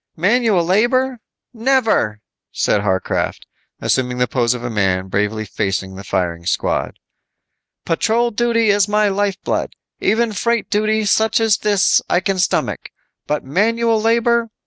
"Manual labor? Never," said Harcraft, assuming the pose of a man bravely facing the firing squad. "Patrol duty is my lifeblood. Even freight duty such as this I can stomach. But manual labor!